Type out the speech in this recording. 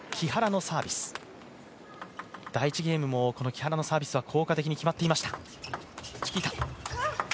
第１ゲームも木原のサービスは効果的に決まっていました。